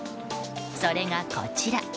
それがこちら。